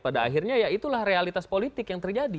pada akhirnya ya itulah realitas politik yang terjadi